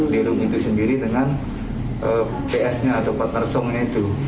di room itu sendiri dengan psnya atau partner somnya